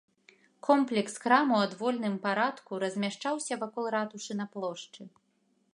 Комплекс крам у адвольным парадку размяшчаўся вакол ратушы на плошчы.